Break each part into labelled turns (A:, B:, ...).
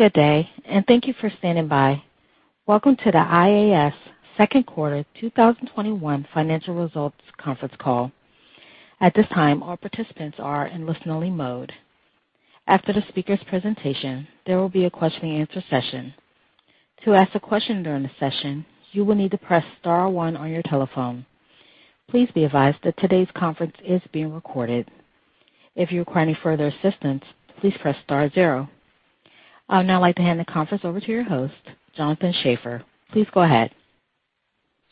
A: Good day, and thank you for standing by. Welcome to the IAS Second Quarter 2021 Financial Results Conference Call. At this time, all participants are in listen-only mode. After the speaker's presentation, there will be a question and answer session. To ask a question during the session, you will need to press star one on your telephone. Please be advised that today's conference is being recorded. If you require any further assistance, please press star zero. I would now like to hand the conference over to your host, Jonathan Schaffer. Please go ahead.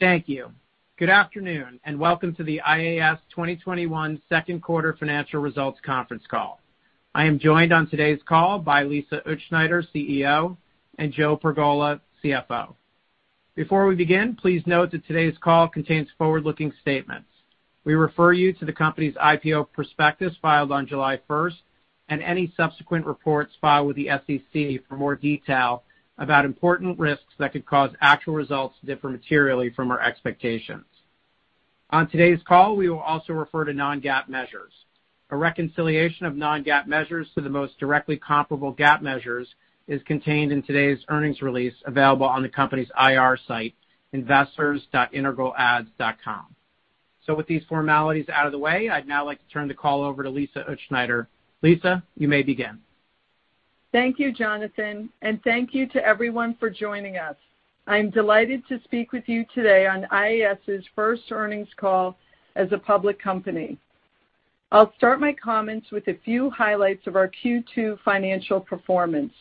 B: Thank you. Good afternoon, welcome to the IAS 2021 Second Quarter Financial Results Conference Call. I am joined on today's call by Lisa Utzschneider, CEO, and Joe Pergola, CFO. Before we begin, please note that today's call contains forward-looking statements. We refer you to the company's IPO prospectus filed on July 1st and any subsequent reports filed with the SEC for more detail about important risks that could cause actual results to differ materially from our expectations. On today's call, we will also refer to non-GAAP measures. A reconciliation of non-GAAP measures to the most directly comparable GAAP measures is contained in today's earnings release available on the company's IR site, investors.integralads.com. With these formalities out of the way, I'd now like to turn the call over to Lisa Utzschneider. Lisa, you may begin.
C: Thank you, Jonathan. Thank you to everyone for joining us. I'm delighted to speak with you today on IAS' first earnings call as a public company. I'll start my comments with a few highlights of our Q2 financial performance.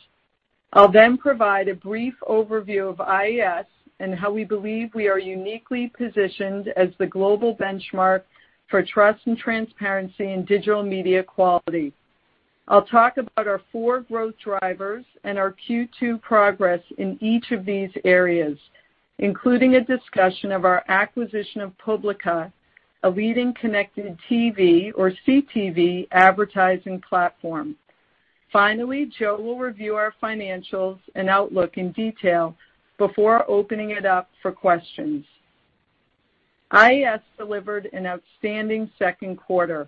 C: I'll then provide a brief overview of IAS and how we believe we are uniquely positioned as the global benchmark for trust and transparency in digital media quality. I'll talk about our four growth drivers and our Q2 progress in each of these areas, including a discussion of our acquisition of Publica, a leading connected TV or CTV advertising platform. Finally, Joe will review our financials and outlook in detail before opening it up for questions. IAS delivered an outstanding second quarter.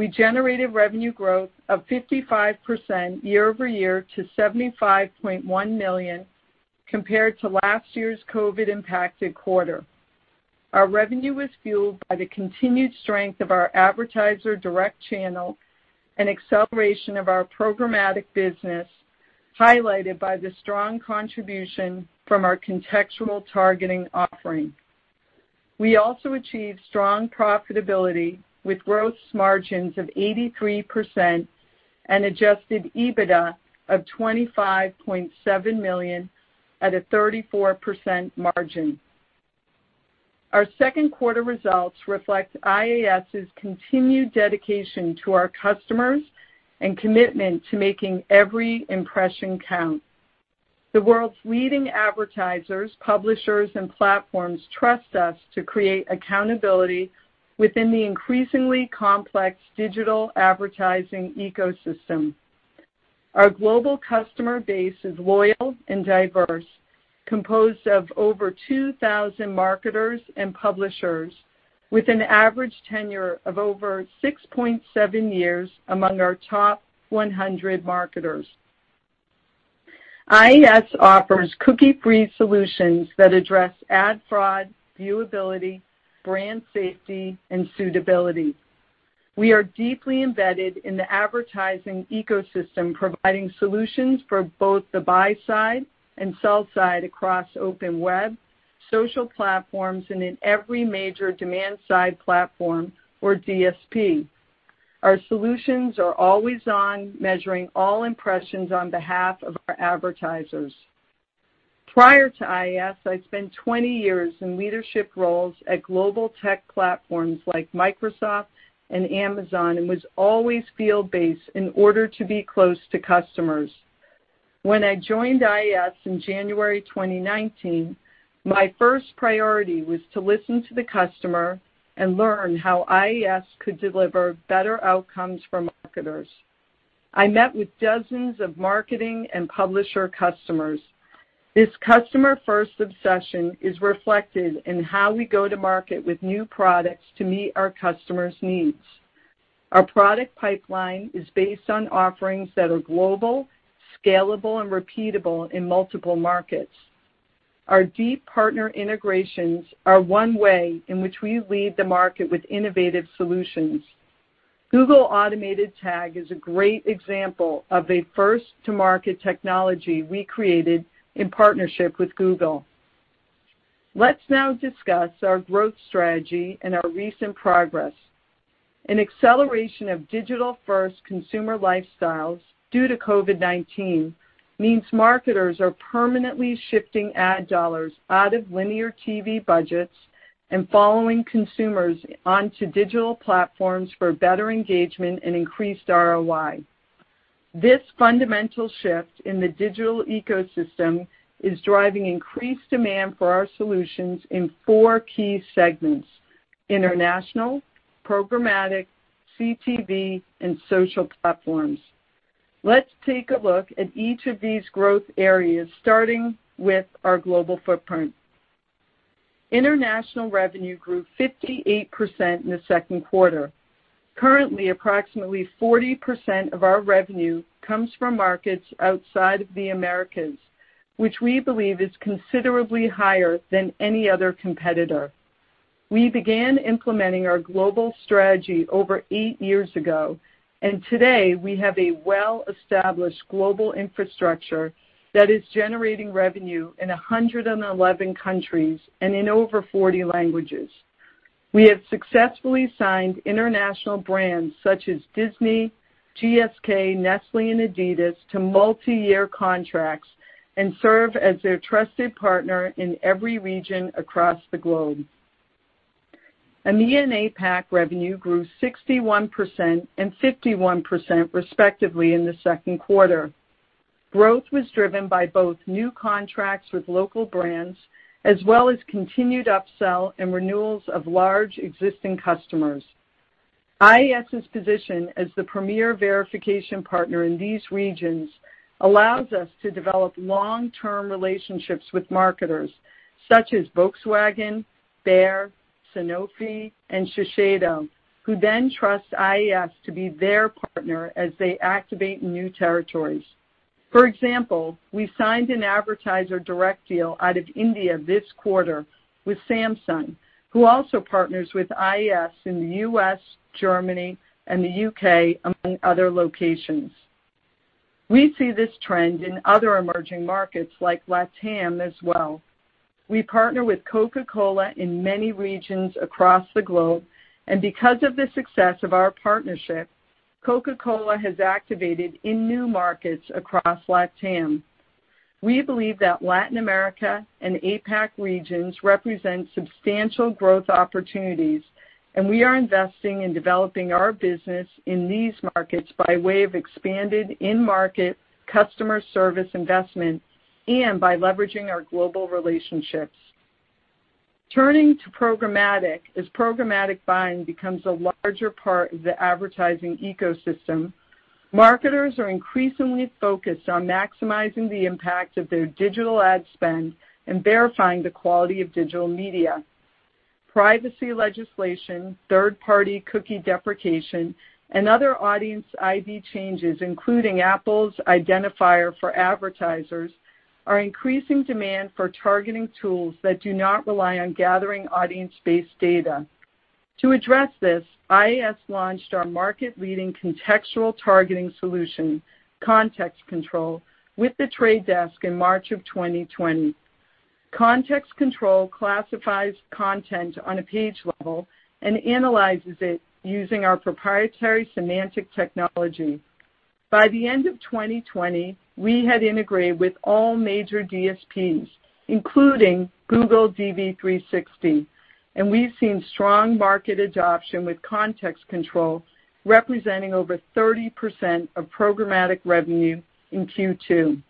C: We generated revenue growth of 55% year-over-year to $75.1 million, compared to last year's COVID-impacted quarter. Our revenue was fueled by the continued strength of our advertiser direct channel and acceleration of our programmatic business, highlighted by the strong contribution from our Context Control offering. We also achieved strong profitability with gross margins of 83% and adjusted EBITDA of $25.7 million at a 34% margin. Our second quarter results reflect IAS' continued dedication to our customers and commitment to making every impression count. The world's leading advertisers, publishers, and platforms trust us to create accountability within the increasingly complex digital advertising ecosystem. Our global customer base is loyal and diverse, composed of over 2,000 marketers and publishers, with an average tenure of over 6.7 years among our top 100 marketers. IAS offers cookie-free solutions that address ad fraud, viewability, brand safety, and suitability. We are deeply embedded in the advertising ecosystem, providing solutions for both the buy side and sell side across open web, social platforms, and in every major demand-side platform or DSP. Our solutions are always on, measuring all impressions on behalf of our advertisers. Prior to IAS, I'd spent 20 years in leadership roles at global tech platforms like Microsoft and Amazon and was always field-based in order to be close to customers. When I joined IAS in January 2019, my first priority was to listen to the customer and learn how IAS could deliver better outcomes for marketers. I met with dozens of marketing and publisher customers. This customer-first obsession is reflected in how we go to market with new products to meet our customers' needs. Our product pipeline is based on offerings that are global, scalable, and repeatable in multiple markets. Our deep partner integrations are one way in which we lead the market with innovative solutions. Google Automated Tag is a great example of a first-to-market technology we created in partnership with Google. Let's now discuss our growth strategy and our recent progress. An acceleration of digital-first consumer lifestyles due to COVID-19 means marketers are permanently shifting ad dollars out of linear TV budgets and following consumers onto digital platforms for better engagement and increased ROI. This fundamental shift in the digital ecosystem is driving increased demand for our solutions in four key segments: international, programmatic, CTV, and social platforms. Let's take a look at each of these growth areas, starting with our global footprint. International revenue grew 58% in the second quarter. Currently, approximately 40% of our revenue comes from markets outside of the Americas, which we believe is considerably higher than any other competitor. We began implementing our global strategy over eight years ago, and today we have a well-established global infrastructure that is generating revenue in 111 countries and in over 40 languages. We have successfully signed international brands such as Disney, GSK, Nestlé, and Adidas to multiyear contracts and serve as their trusted partner in every region across the globe. EMEA and APAC revenue grew 61% and 51% respectively in the second quarter. Growth was driven by both new contracts with local brands as well as continued upsell and renewals of large existing customers. IAS's position as the premier verification partner in these regions allows us to develop long-term relationships with marketers such as Volkswagen, Bayer, Sanofi, and Shiseido, who then trust IAS to be their partner as they activate new territories. For example, we signed an advertiser direct deal out of India this quarter with Samsung, who also partners with IAS in the U.S., Germany, and the U.K., among other locations. We see this trend in other emerging markets like LATAM as well. We partner with Coca-Cola in many regions across the globe, and because of the success of our partnership, Coca-Cola has activated in new markets across LATAM. We believe that Latin America and APAC regions represent substantial growth opportunities, and we are investing in developing our business in these markets by way of expanded in-market customer service investment and by leveraging our global relationships. Turning to programmatic. As programmatic buying becomes a larger part of the advertising ecosystem, marketers are increasingly focused on maximizing the impact of their digital ad spend and verifying the quality of digital media. Privacy legislation, third-party cookie deprecation, and other audience ID changes, including Apple's Identifier for Advertisers, are increasing demand for targeting tools that do not rely on gathering audience-based data. To address this, IAS launched our market-leading contextual targeting solution, Context Control, with The Trade Desk in March of 2020. Context Control classifies content on a page level and analyzes it using our proprietary semantic technology. By the end of 2020, we had integrated with all major DSPs, including Google DV360, and we've seen strong market adoption, with Context Control representing over 30% of programmatic revenue in Q2.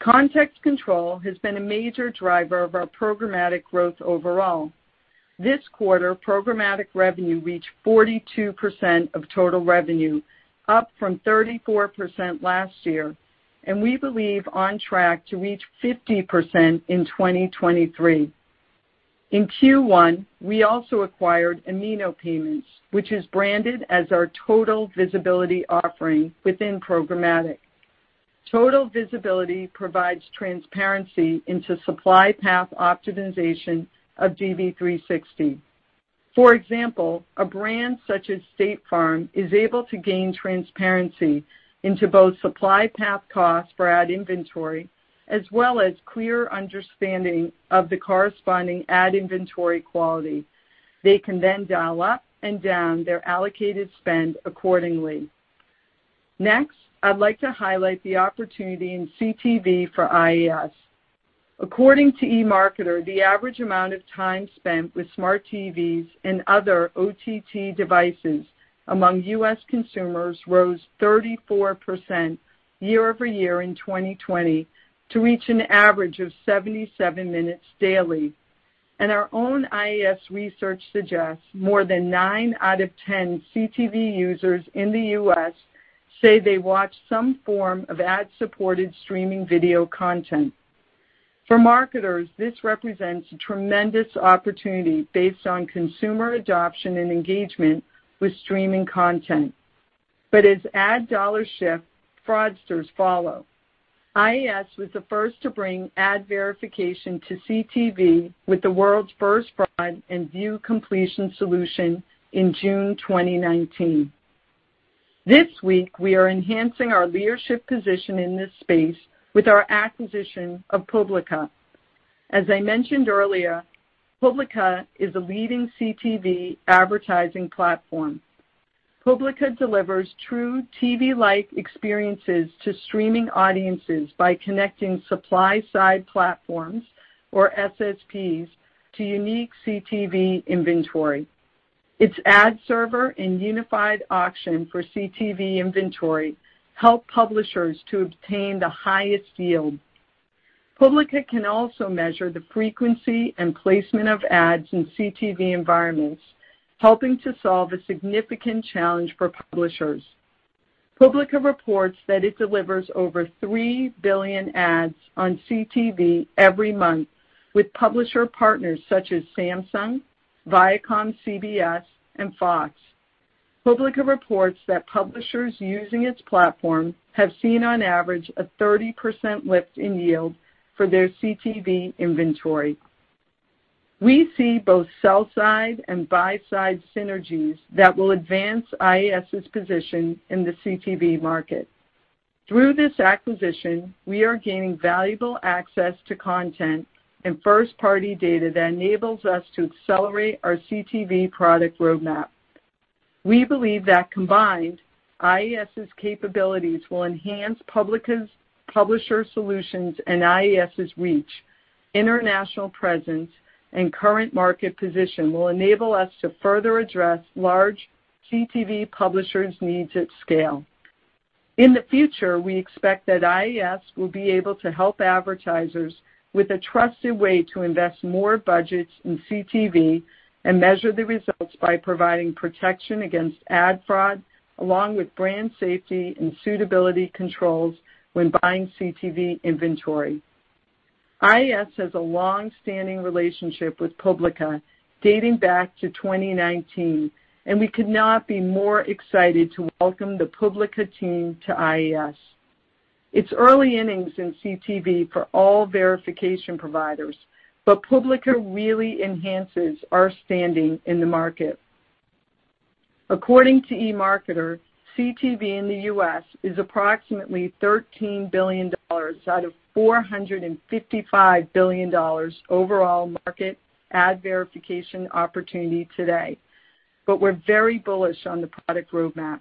C: Context Control has been a major driver of our programmatic growth overall. This quarter, programmatic revenue reached 42% of total revenue, up from 34% last year, and we believe on track to reach 50% in 2023. In Q1, we also acquired Amino Payments, which is branded as our Total Visibility offering within programmatic. Total Visibility provides transparency into supply path optimization of DV360. For example, a brand such as State Farm is able to gain transparency into both supply path costs for ad inventory as well as clear understanding of the corresponding ad inventory quality. They can dial up and down their allocated spend accordingly. Next, I'd like to highlight the opportunity in CTV for IAS. According to eMarketer, the average amount of time spent with smart TVs and other OTT devices among U.S. consumers rose 34% year-over-year in 2020 to reach an average of 77 minutes daily. Our own IAS research suggests more than nine out of 10 CTV users in the U.S. say they watch some form of ad-supported streaming video content. For marketers, this represents a tremendous opportunity based on consumer adoption and engagement with streaming content. As ad dollars shift, fraudsters follow. IAS was the first to bring ad verification to CTV with the world's first fraud and view completion solution in June 2019. This week, we are enhancing our leadership position in this space with our acquisition of Publica. As I mentioned earlier, Publica is a leading CTV advertising platform. Publica delivers true TV-like experiences to streaming audiences by connecting supply-side platforms, or SSPs, to unique CTV inventory. Its ad server and unified auction for CTV inventory help publishers to obtain the highest yield. Publica can also measure the frequency and placement of ads in CTV environments, helping to solve a significant challenge for publishers. Publica reports that it delivers over 3 billion ads on CTV every month with publisher partners such as Samsung, Viacom, CBS, and Fox. Publica reports that publishers using its platform have seen, on average, a 30% lift in yield for their CTV inventory. We see both sell-side and buy-side synergies that will advance IAS's position in the CTV market. Through this acquisition, we are gaining valuable access to content and first-party data that enables us to accelerate our CTV product roadmap. We believe that combined, IAS's capabilities will enhance Publica's publisher solutions, and IAS's reach, international presence, and current market position will enable us to further address large CTV publishers' needs at scale. In the future, we expect that IAS will be able to help advertisers with a trusted way to invest more budgets in CTV and measure the results by providing protection against ad fraud, along with brand safety and suitability controls when buying CTV inventory. IAS has a long-standing relationship with Publica dating back to 2019, and we could not be more excited to welcome the Publica team to IAS. It's early innings in CTV for all verification providers, but Publica really enhances our standing in the market. According to eMarketer, CTV in the U.S. is approximately $13 billion out of $455 billion overall market ad verification opportunity today. We're very bullish on the product roadmap.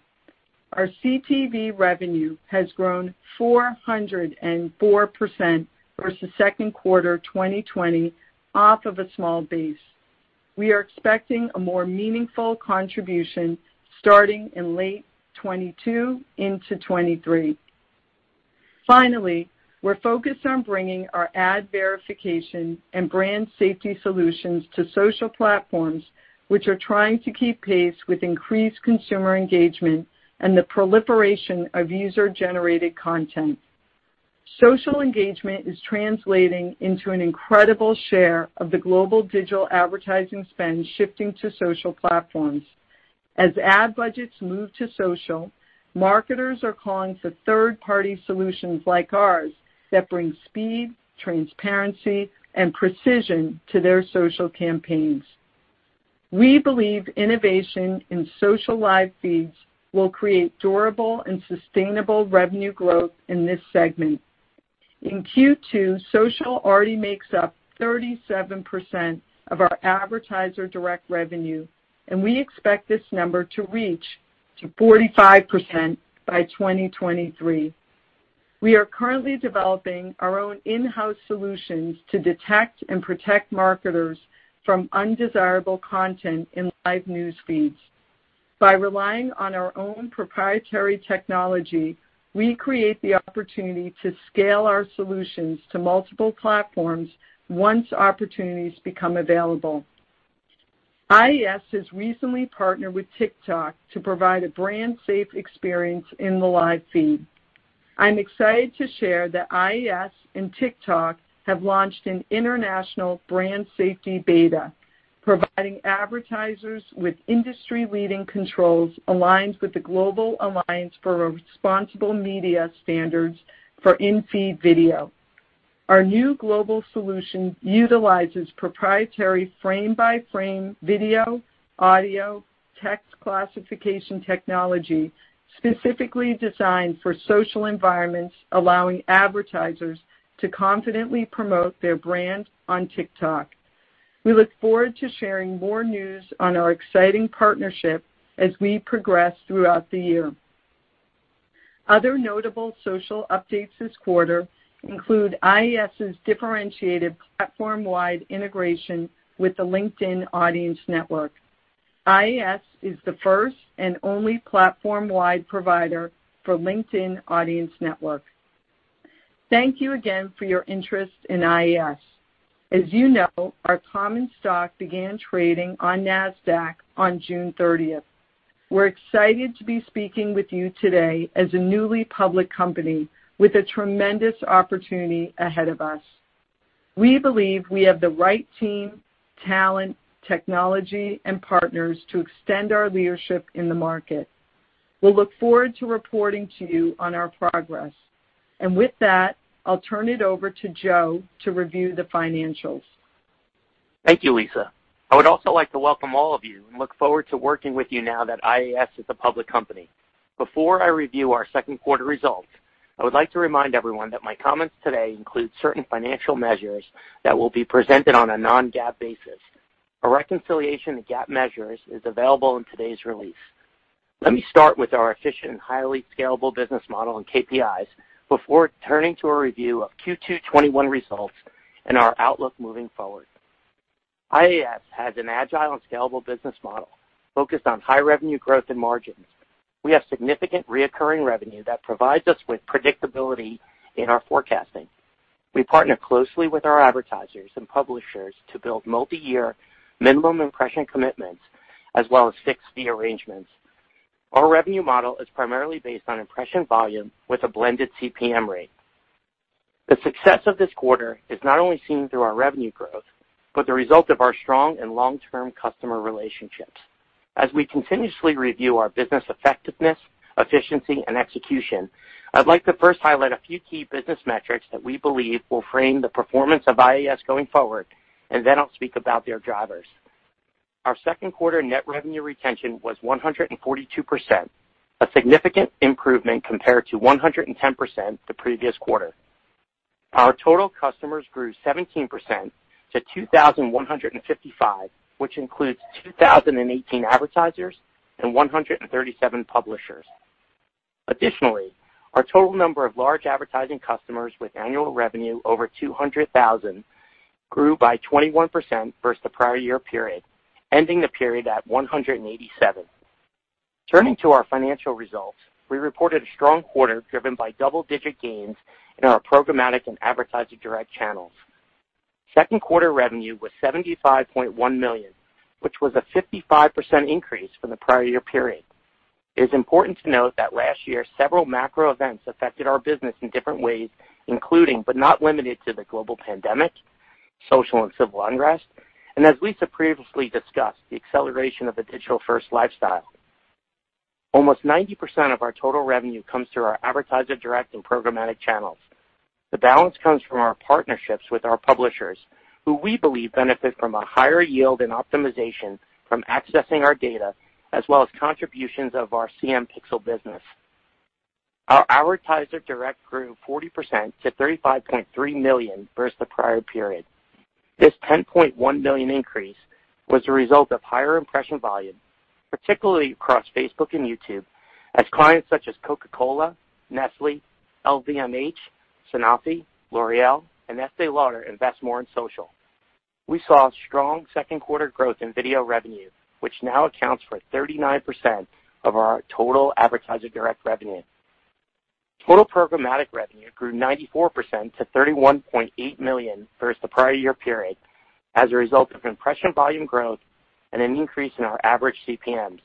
C: Our CTV revenue has grown 404% versus second quarter 2020 off of a small base. We are expecting a more meaningful contribution starting in late 2022 into 2023. Finally, we're focused on bringing our ad verification and brand safety solutions to social platforms, which are trying to keep pace with increased consumer engagement and the proliferation of user-generated content. Social engagement is translating into an incredible share of the global digital advertising spend shifting to social platforms. As ad budgets move to social, marketers are calling for third-party solutions like ours that bring speed, transparency, and precision to their social campaigns. We believe innovation in social live feeds will create durable and sustainable revenue growth in this segment. In Q2, social already makes up 37% of our advertiser direct revenue, and we expect this number to reach to 45% by 2023. We are currently developing our own in-house solutions to detect and protect marketers from undesirable content in live news feeds. By relying on our own proprietary technology, we create the opportunity to scale our solutions to multiple platforms once opportunities become available. IAS has recently partnered with TikTok to provide a brand-safe experience in the live feed. I'm excited to share that IAS and TikTok have launched an international brand safety beta, providing advertisers with industry-leading controls aligned with the Global Alliance for Responsible Media standards for in-feed video. Our new global solution utilizes proprietary frame-by-frame video, audio, text classification technology specifically designed for social environments, allowing advertisers to confidently promote their brand on TikTok. We look forward to sharing more news on our exciting partnership as we progress throughout the year. Other notable social updates this quarter include IAS's differentiated platform-wide integration with the LinkedIn Audience Network. IAS is the first and only platform-wide provider for LinkedIn Audience Network. Thank you again for your interest in IAS. As you know, our common stock began trading on Nasdaq on June 30th. We're excited to be speaking with you today as a newly public company with a tremendous opportunity ahead of us. We believe we have the right team, talent, technology, and partners to extend our leadership in the market. We'll look forward to reporting to you on our progress. With that, I'll turn it over to Joe to review the financials.
D: Thank you, Lisa. I would also like to welcome all of you and look forward to working with you now that IAS is a public company. Before I review our second quarter results, I would like to remind everyone that my comments today include certain financial measures that will be presented on a non-GAAP basis. A reconciliation to GAAP measures is available in today's release. Let me start with our efficient and highly scalable business model and KPIs before turning to a review of Q2 2021 results and our outlook moving forward. IAS has an agile and scalable business model focused on high revenue growth and margins. We have significant recurring revenue that provides us with predictability in our forecasting. We partner closely with our advertisers and publishers to build multi-year minimum impression commitments as well as fixed-fee arrangements. Our revenue model is primarily based on impression volume with a blended CPM rate. The success of this quarter is not only seen through our revenue growth, but the result of our strong and long-term customer relationships. As we continuously review our business effectiveness, efficiency, and execution, I'd like to first highlight a few key business metrics that we believe will frame the performance of IAS going forward, and then I'll speak about their drivers. Our second quarter net revenue retention was 142%, a significant improvement compared to 110% the previous quarter. Our total customers grew 17% to 2,155, which includes 2,018 advertisers and 137 publishers. Additionally, our total number of large advertising customers with annual revenue over $200,000 grew by 21% versus the prior year period, ending the period at 187. Turning to our financial results, we reported a strong quarter driven by double-digit gains in our programmatic and advertiser direct channels. Second quarter revenue was $75.1 million, which was a 55% increase from the prior year period. It is important to note that last year, several macro events affected our business in different ways, including, but not limited to, the global pandemic, social and civil unrest, and as Lisa previously discussed, the acceleration of a digital-first lifestyle. Almost 90% of our total revenue comes through our advertiser direct and programmatic channels. The balance comes from our partnerships with our publishers, who we believe benefit from a higher yield and optimization from accessing our data, as well as contributions of our CM Pixel business. Our advertiser direct grew 40% to $35.3 million versus the prior period. This $10.1 million increase was a result of higher impression volume, particularly across Facebook and YouTube, as clients such as Coca-Cola, Nestlé, LVMH, Sanofi, L'Oréal, and Estée Lauder invest more in social. We saw strong second quarter growth in video revenue, which now accounts for 39% of our total advertiser direct revenue. Total programmatic revenue grew 94% to $31.8 million versus the prior year period as a result of impression volume growth and an increase in our average CPMs.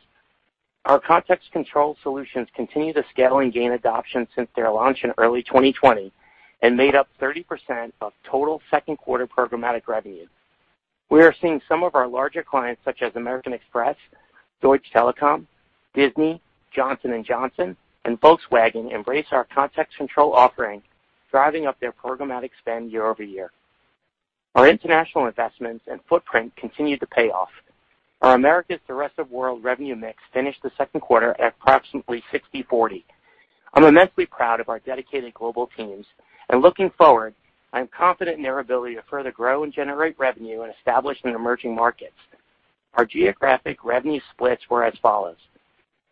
D: Our Context Control solutions continue to scale and gain adoption since their launch in early 2020 and made up 30% of total second quarter programmatic revenue. We are seeing some of our larger clients, such as American Express, Deutsche Telekom, Disney, Johnson & Johnson, and Volkswagen embrace our Context Control offering, driving up their programmatic spend year-over-year. Our international investments and footprint continue to pay off. Our Americas to rest of world revenue mix finished the second quarter at approximately 60/40. I'm immensely proud of our dedicated global teams. Looking forward, I am confident in their ability to further grow and generate revenue in established and emerging markets. Our geographic revenue splits were as follows.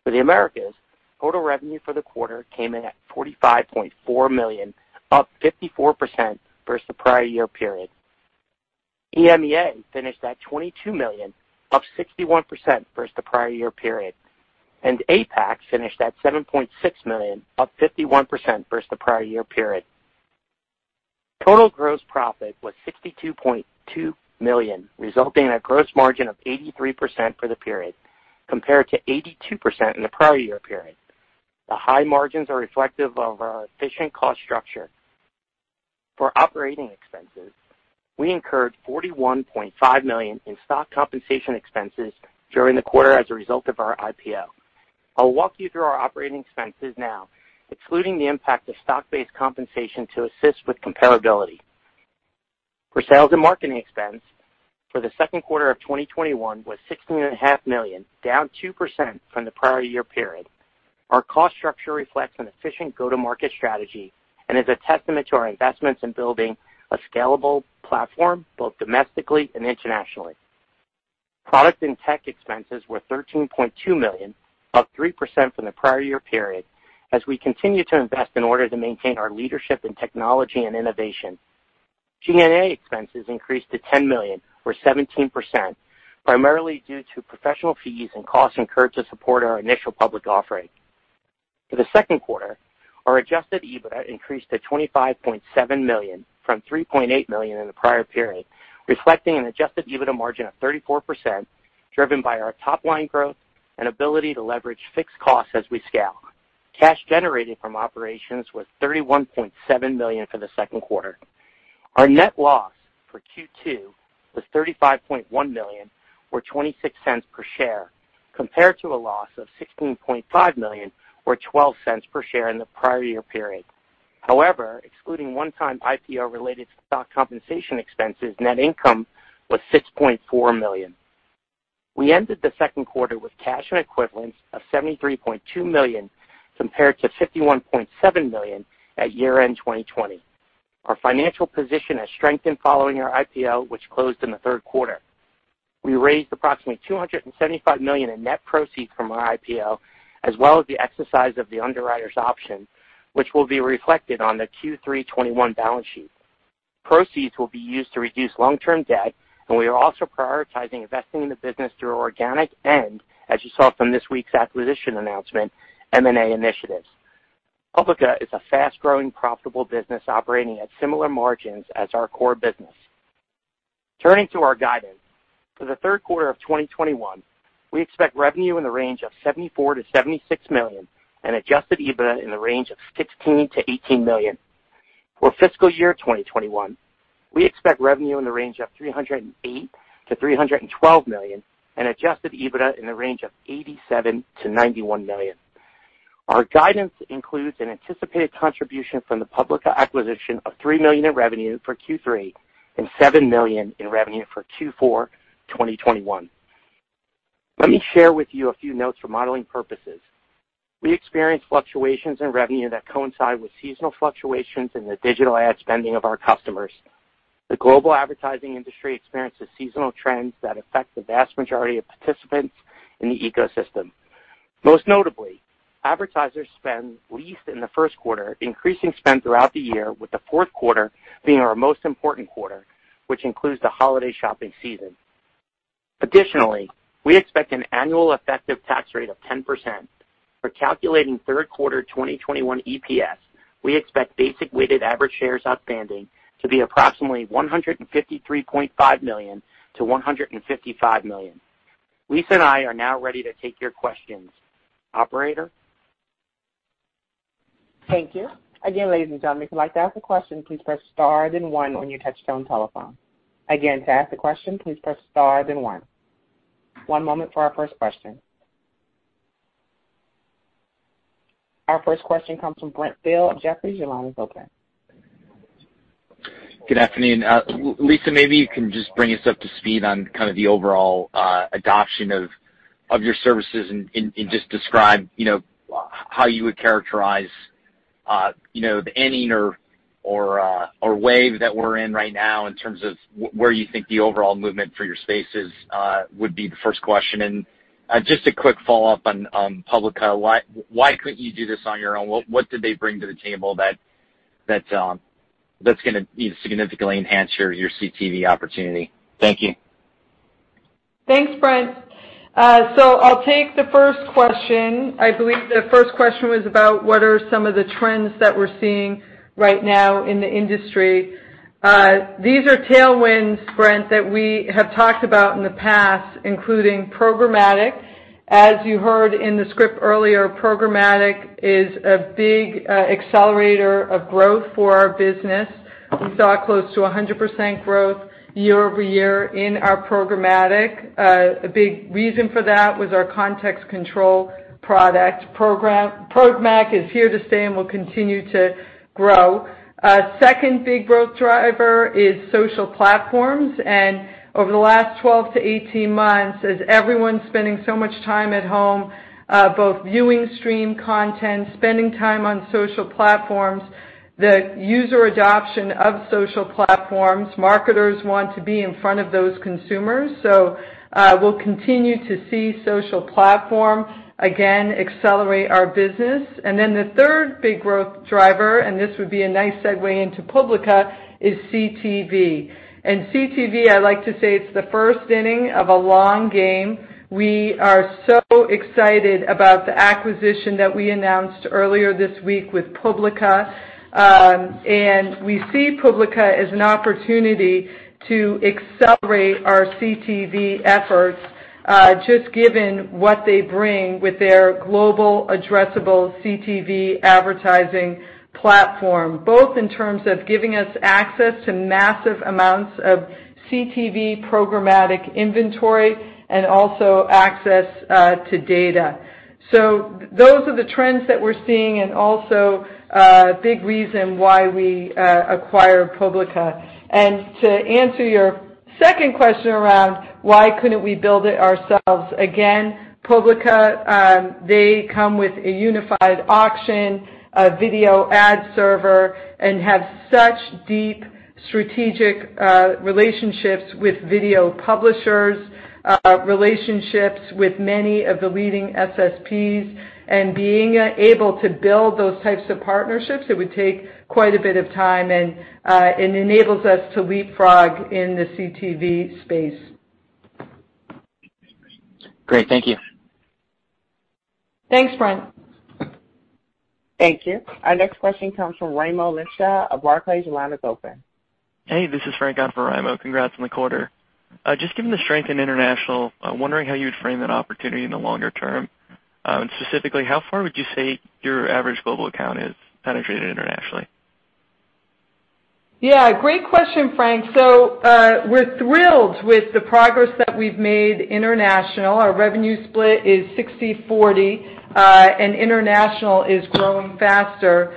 D: For the Americas, total revenue for the quarter came in at $45.4 million, up 54% versus the prior year period. EMEA finished at $22 million, up 61% versus the prior year period, and APAC finished at $7.6 million, up 51% versus the prior year period. Total gross profit was $62.2 million, resulting in a gross margin of 83% for the period, compared to 82% in the prior year period. The high margins are reflective of our efficient cost structure. For operating expenses, we incurred $41.5 million in stock compensation expenses during the quarter as a result of our IPO. I'll walk you through our operating expenses now, excluding the impact of stock-based compensation to assist with comparability. For sales and marketing expense for the second quarter of 2021 was $16.5 million, down 2% from the prior year period. Our cost structure reflects an efficient go-to-market strategy and is a testament to our investments in building a scalable platform both domestically and internationally. Product and tech expenses were $13.2 million, up 3% from the prior year period, as we continue to invest in order to maintain our leadership in technology and innovation. G&A expenses increased to $10 million, or 17%, primarily due to professional fees and costs incurred to support our initial public offering. For the second quarter, our adjusted EBITDA increased to $25.7 million from $3.8 million in the prior period, reflecting an adjusted EBITDA margin of 34%, driven by our top-line growth and ability to leverage fixed costs as we scale. Cash generated from operations was $31.7 million for the second quarter. Our net loss for Q2 was $35.1 million, or $0.26 per share, compared to a loss of $16.5 million, or $0.12 per share in the prior year period. Excluding one-time IPO-related stock compensation expenses, net income was $6.4 million. We ended the second quarter with cash and equivalents of $73.2 million, compared to $51.7 million at year-end 2020. Our financial position has strengthened following our IPO, which closed in the third quarter. We raised approximately $275 million in net proceeds from our IPO, as well as the exercise of the underwriter's option, which will be reflected on the Q3 2021 balance sheet. Proceeds will be used to reduce long-term debt, and we are also prioritizing investing in the business through organic and, as you saw from this week's acquisition announcement, M&A initiatives. Publica is a fast-growing, profitable business operating at similar margins as our core business. Turning to our guidance. For the third quarter of 2021, we expect revenue in the range of $74 million-$76 million and adjusted EBITDA in the range of $16 million-$18 million. For fiscal year 2021, we expect revenue in the range of $308 million-$312 million and adjusted EBITDA in the range of $87 million-$91 million. Our guidance includes an anticipated contribution from the Publica acquisition of $3 million in revenue for Q3 and $7 million in revenue for Q4 2021. Let me share with you a few notes for modeling purposes. We experience fluctuations in revenue that coincide with seasonal fluctuations in the digital ad spending of our customers. The global advertising industry experiences seasonal trends that affect the vast majority of participants in the ecosystem. Most notably, advertisers spend least in the first quarter, increasing spend throughout the year, with the fourth quarter being our most important quarter, which includes the holiday shopping season. Additionally, we expect an annual effective tax rate of 10%. For calculating third quarter 2021 EPS, we expect basic weighted average shares outstanding to be approximately 153.5 million-155 million. Lisa and I are now ready to take your questions. Operator?
A: Thank you. Again, ladies and gentlemen, if you'd like to ask a question, please press star then one on your touch-tone telephone. Again, to ask a question, please press star then one. One moment for our first question. Our first question comes from Brent Thill of Jefferies. Your line is open.
E: Good afternoon. Lisa, maybe you can just bring us up to speed on kind of the overall adoption of your services and just describe how you would characterize the inning or wave that we're in right now in terms of where you think the overall movement for your space is, would be the first question. Just a quick follow-up on Publica. Why couldn't you do this on your own? What did they bring to the table that's going to significantly enhance your CTV opportunity? Thank you.
C: Thanks, Brent. I'll take the first question. I believe the first question was about what are some of the trends that we're seeing right now in the industry. These are tailwinds, Brent, that we have talked about in the past, including programmatic. As you heard in the script earlier, programmatic is a big accelerator of growth for our business. We saw close to 100% growth year-over-year in our programmatic. A big reason for that was our Context Control product. Programmatic is here to stay and will continue to grow. A second big growth driver is social platforms, and over the last 12-18 months, as everyone's spending so much time at home, both viewing stream content, spending time on social platforms, the user adoption of social platforms, marketers want to be in front of those consumers. We'll continue to see social platform again accelerate our business. Then the third big growth driver, and this would be a nice segue into Publica, is CTV. CTV, I like to say it's the first inning of a long game. We are so excited about the acquisition that we announced earlier this week with Publica, and we see Publica as an opportunity to accelerate our CTV efforts, just given what they bring with their global addressable CTV advertising platform, both in terms of giving us access to massive amounts of CTV programmatic inventory and also access to data. Those are the trends that we're seeing and also a big reason why we acquired Publica. To answer your second question around why couldn't we build it ourselves? Publica, they come with a unified auction, a video ad server, and have such deep strategic relationships with video publishers, relationships with many of the leading SSPs, and being able to build those types of partnerships, it would take quite a bit of time and enables us to leapfrog in the CTV space.
E: Great. Thank you.
C: Thanks, Brent.
A: Thank you. Our next question comes from Raimo Lenschow of Barclays. Your line is open.
F: Hey, this is Frank on for Raimo. Congrats on the quarter. Just given the strength in international, I'm wondering how you would frame that opportunity in the longer term. Specifically, how far would you say your average global account is penetrated internationally?
C: Yeah, great question, Frank. We're thrilled with the progress that we've made international. Our revenue split is 60/40. International is growing faster.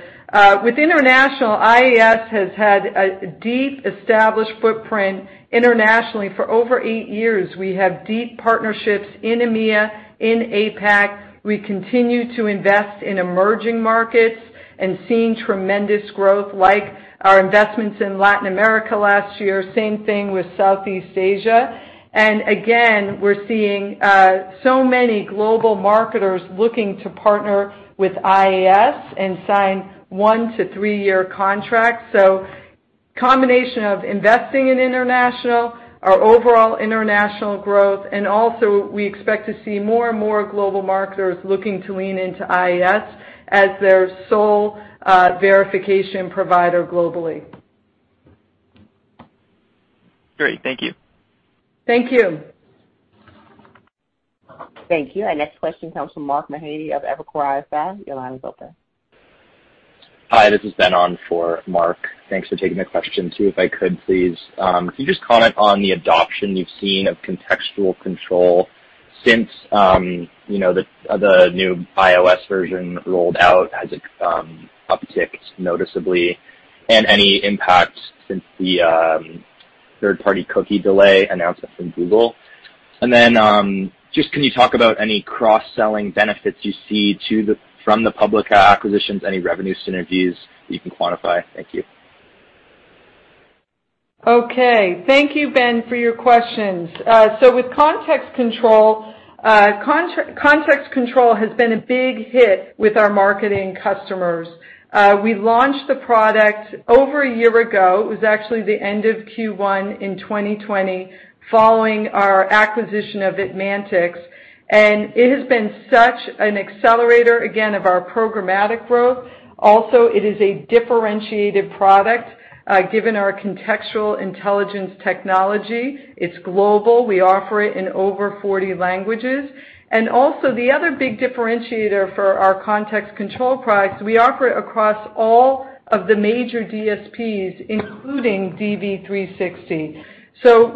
C: With international, IAS has had a deep established footprint internationally for over eight years. We have deep partnerships in EMEA, in APAC. We continue to invest in emerging markets and seeing tremendous growth like our investments in Latin America last year. Same thing with Southeast Asia. Again, we're seeing so many global marketers looking to partner with IAS and sign one to three year contracts. Combination of investing in international, our overall international growth, and also we expect to see more and more global marketers looking to lean into IAS as their sole verification provider globally.
F: Great. Thank you.
C: Thank you.
A: Thank you. Our next question comes from Mark Mahaney of Evercore ISI. Your line is open.
G: Hi, this is Ben on for Mark. Thanks for taking my question too. If I could please, can you just comment on the adoption you've seen of Context Control since the new iOS version rolled out? Has it upticked noticeably? Any impact since the third-party cookie delay announcement from Google? Just can you talk about any cross-selling benefits you see from the Publica acquisitions, any revenue synergies that you can quantify? Thank you.
C: Okay. Thank you, Ben, for your questions. With Context Control, Context Control has been a big hit with our marketing customers. We launched the product over a year ago. It was actually the end of Q1 2020, following our acquisition of ADmantX, and it has been such an accelerator, again, of our programmatic growth. It is a differentiated product, given our contextual intelligence technology. It's global. We offer it in over 40 languages. The other big differentiator for our Context Control products, we offer it across all of the major DSPs, including DV360.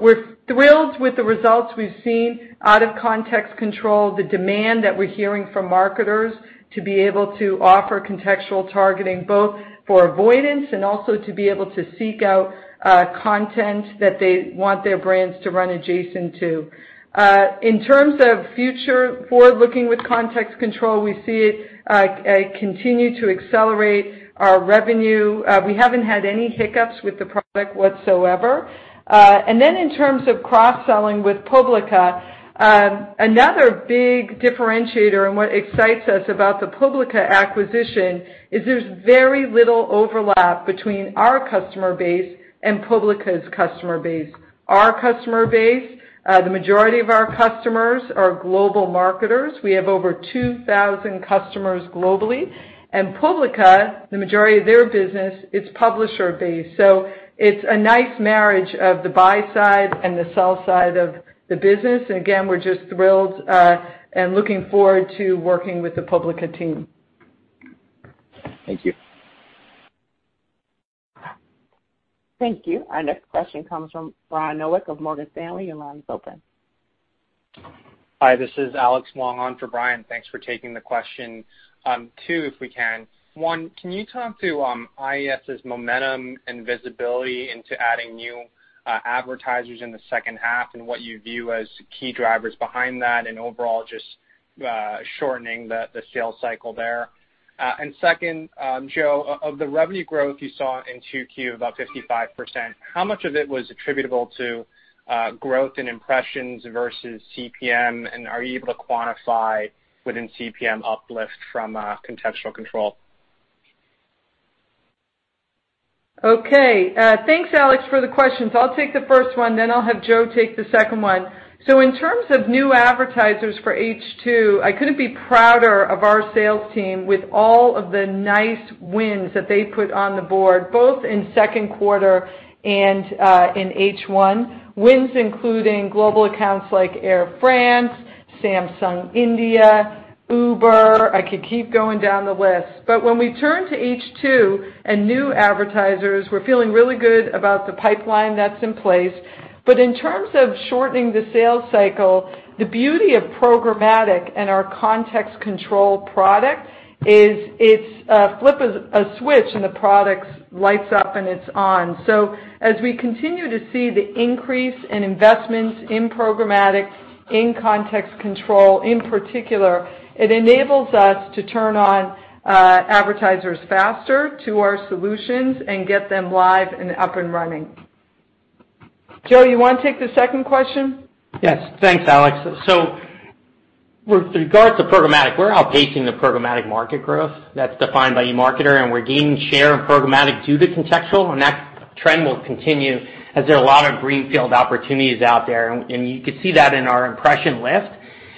C: We're thrilled with the results we've seen out of Context Control, the demand that we're hearing from marketers to be able to offer contextual targeting, both for avoidance and also to be able to seek out content that they want their brands to run adjacent to. In terms of future forward-looking with Context Control, we see it continue to accelerate our revenue. We haven't had any hiccups with the product whatsoever. Then in terms of cross-selling with Publica, another big differentiator and what excites us about the Publica acquisition is there's very little overlap between our customer base and Publica's customer base. Our customer base, the majority of our customers are global marketers. We have over 2,000 customers globally. Publica, the majority of their business, it's publisher based. It's a nice marriage of the buy side and the sell side of the business. Again, we're just thrilled, and looking forward to working with the Publica team.
G: Thank you.
A: Thank you. Our next question comes from Brian Nowak of Morgan Stanley. Your line is open.
H: Hi, this is Alex Wong on for Brian Nowak. Thanks for taking the question. Two, if we can. One, can you talk to IAS' momentum and visibility into adding new advertisers in the second half, and what you view as key drivers behind that, and overall just shortening the sales cycle there? Second, Joe, of the revenue growth you saw in 2Q, about 55%, how much of it was attributable to growth in impressions versus CPM? Are you able to quantify within CPM uplift from Context Control?
C: Thanks Alex for the questions. I'll take the first one, I'll have Joe take the second one. In terms of new advertisers for H2, I couldn't be prouder of our sales team with all of the nice wins that they put on the board, both in second quarter and in H1. Wins including global accounts like Air France, Samsung India, Uber. I could keep going down the list. When we turn to H2 and new advertisers, we're feeling really good about the pipeline that's in place. In terms of shortening the sales cycle, the beauty of programmatic and our Context Control product is it's flip a switch and the product lights up and it's on. As we continue to see the increase in investments in programmatic, in Context Control in particular, it enables us to turn on advertisers faster to our solutions and get them live and up and running. Joe, you want to take the second question?
D: Yes. Thanks, Alex. With regards to programmatic, we're outpacing the programmatic market growth that's defined by eMarketer, and we're gaining share in programmatic due to contextual. That trend will continue as there are a lot of greenfield opportunities out there, and you could see that in our impression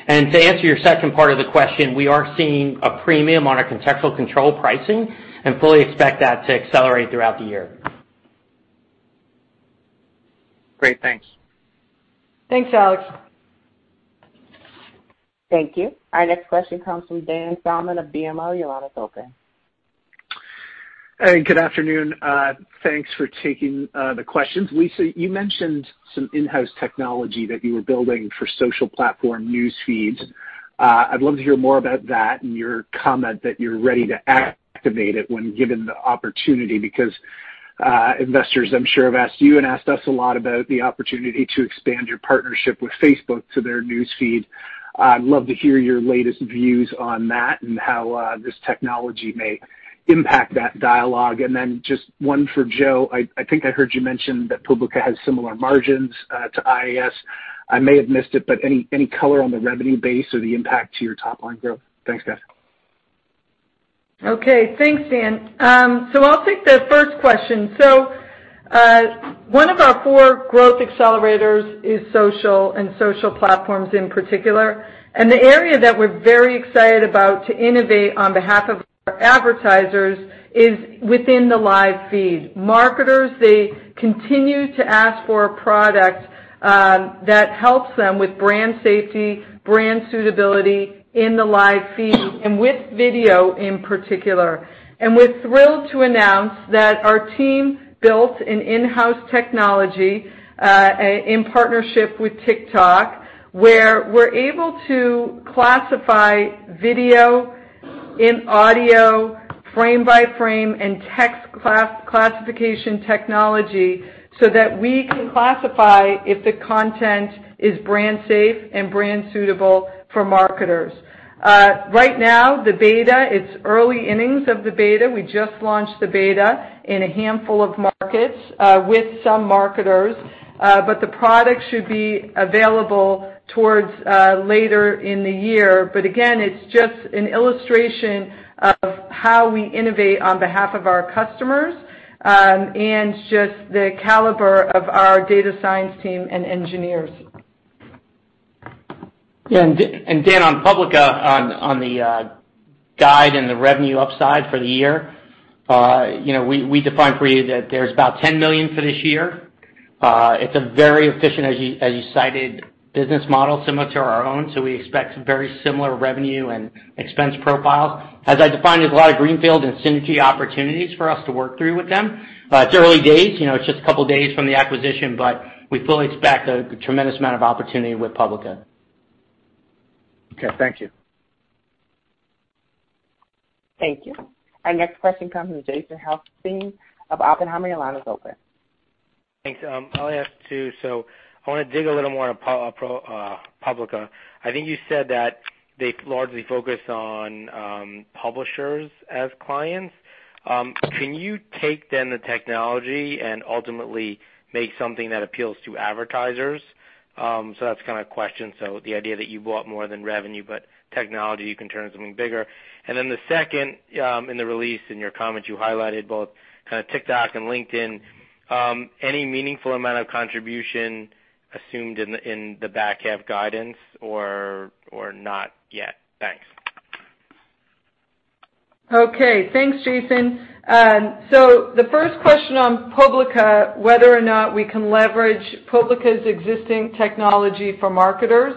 D: lift. To answer your second part of the question, we are seeing a premium on our Context Control pricing and fully expect that to accelerate throughout the year.
H: Great. Thanks.
C: Thanks, Alex.
A: Thank you. Our next question comes from Dan Salmon of BMO. Your line is open.
I: Hey, good afternoon. Thanks for taking the questions. Lisa, you mentioned some in-house technology that you were building for social platform news feeds. I'd love to hear more about that and your comment that you're ready to activate it when given the opportunity, because investors I'm sure have asked you and asked us a lot about the opportunity to expand your partnership with Facebook to their news feed. I'd love to hear your latest views on that and how this technology may impact that dialogue. Just one for Joe. I think I heard you mention that Publica has similar margins to IAS. I may have missed it, but any color on the revenue base or the impact to your top-line growth? Thanks, guys
C: Okay. Thanks, Dan. I'll take the first question. One of our four growth accelerators is social and social platforms in particular, and the area that we're very excited about to innovate on behalf of our advertisers is within the live feed. Marketers, they continue to ask for a product that helps them with brand safety, brand suitability in the live feed, and with video in particular. We're thrilled to announce that our team built an in-house technology, in partnership with TikTok, where we're able to classify video and audio frame by frame and text classification technology so that we can classify if the content is brand safe and brand suitable for marketers. Right now, it's early innings of the beta. We just launched the beta in a handful of markets with some marketers. The product should be available towards later in the year. Again, it's just an illustration of how we innovate on behalf of our customers, and just the caliber of our data science team and engineers.
D: Yeah. Dan, on Publica, on the guide and the revenue upside for the year, we defined for you that there's about $10 million for this year. It's a very efficient, as you cited, business model similar to our own, so we expect very similar revenue and expense profiles. As I defined, there's a lot of greenfield and synergy opportunities for us to work through with them. It's early days. It's just a couple of days from the acquisition, but we fully expect a tremendous amount of opportunity with Publica.
I: Okay, thank you.
A: Thank you. Our next question comes from Jason Helfstein of Oppenheimer. Your line is open.
J: Thanks. I'll ask too. I want to dig a little more on Publica. I think you said that they largely focus on publishers as clients. Can you take then the technology and ultimately make something that appeals to advertisers? That's the kind of question, the idea that you bought more than revenue, but technology you can turn into something bigger. The second, in the release, in your comments, you highlighted both TikTok and LinkedIn. Any meaningful amount of contribution assumed in the back half guidance or not yet? Thanks.
C: Okay. Thanks, Jason. The first question on Publica, whether or not we can leverage Publica's existing technology for marketers.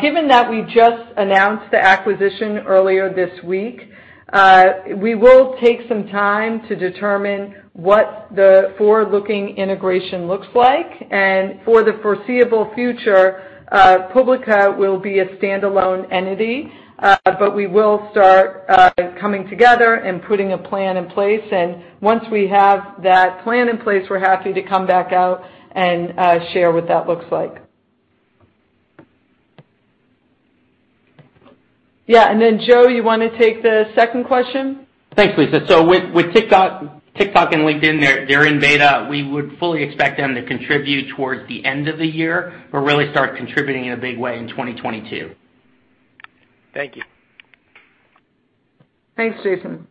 C: Given that we just announced the acquisition earlier this week, we will take some time to determine what the forward-looking integration looks like. For the foreseeable future, Publica will be a standalone entity, but we will start coming together and putting a plan in place. Once we have that plan in place, we're happy to come back out and share what that looks like. Joe, you want to take the second question?
D: Thanks, Lisa. With TikTok and LinkedIn, they're in beta. We would fully expect them to contribute towards the end of the year, but really start contributing in a big way in 2022.
J: Thank you.
C: Thanks, Jason.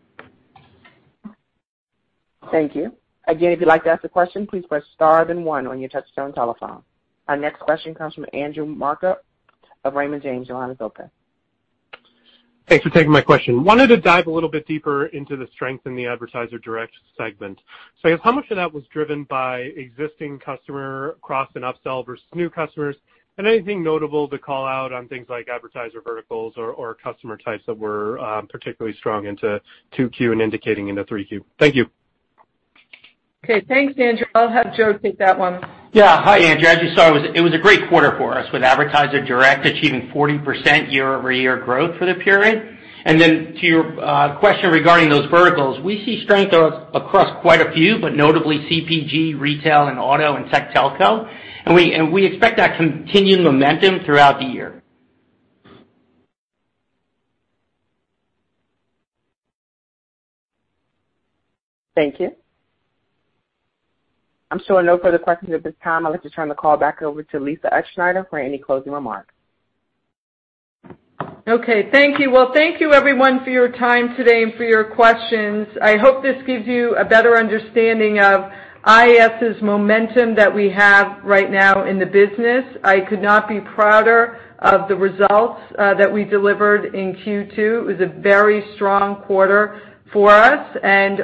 A: Thank you. Again, if you'd like to ask a question, please press star then one on your touch-tone telephone. Our next question comes from Andrew Marok of Raymond James. Your line is open.
K: Thanks for taking my question. Wanted to dive a little bit deeper into the strength in the advertiser direct segment. I guess how much of that was driven by existing customer cross and upsell versus new customers? Anything notable to call out on things like advertiser verticals or customer types that were particularly strong into 2Q and indicating into 3Q? Thank you.
C: Okay. Thanks, Andrew. I'll have Joe take that one.
D: Yeah. Hi, Andrew. As you saw, it was a great quarter for us with advertiser direct achieving 40% year-over-year growth for the period. Then to your question regarding those verticals, we see strength across quite a few, but notably CPG, retail, and auto, and tech telco. We expect that continued momentum throughout the year.
A: Thank you. I'm showing no further questions at this time. I'd like to turn the call back over to Lisa Utzschneider for any closing remarks.
C: Okay. Thank you. Well, thank you everyone for your time today and for your questions. I hope this gives you a better understanding of IAS' momentum that we have right now in the business. I could not be prouder of the results that we delivered in Q2. It was a very strong quarter for us,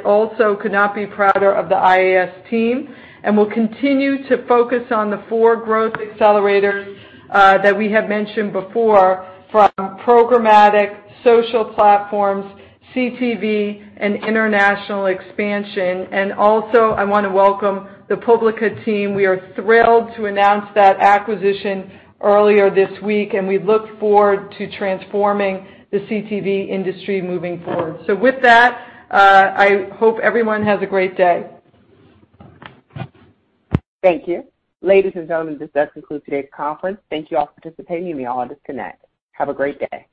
C: also could not be prouder of the IAS team. We'll continue to focus on the four growth accelerators that we have mentioned before from programmatic, social platforms, CTV, and international expansion. Also, I want to welcome the Publica team. We are thrilled to announce that acquisition earlier this week, and we look forward to transforming the CTV industry moving forward. With that, I hope everyone has a great day.
A: Thank you. Ladies and gentlemen, this does conclude today's conference. Thank you all for participating. You may all disconnect. Have a great day.